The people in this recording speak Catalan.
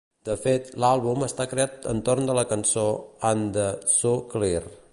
De fet, l'àlbum està creat entorn de la cançó "And Then So Clear".